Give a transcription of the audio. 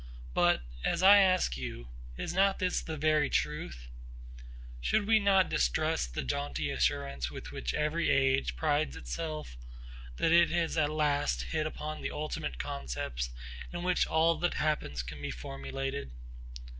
But, as I ask you, Is not this the very truth? Should we not distrust the jaunty assurance with which every age prides itself that it at last has hit upon the ultimate concepts in which all that happens can be formulated?